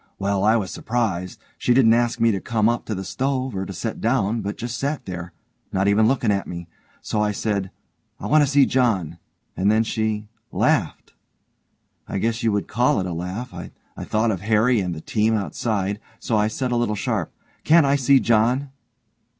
Well, I was surprised; she didn't ask me to come up to the stove, or to set down, but just sat there, not even looking at me, so I said, 'I want to see John.' And then she laughed. I guess you would call it a laugh. I thought of Harry and the team outside, so I said a little sharp: 'Can't I see John?'